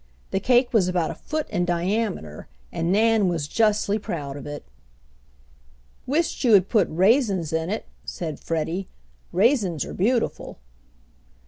The cake was about a foot in diameter and Nan was justly proud of it. "Wished you had put raisins in it," said Freddie. "Raisins are beautiful."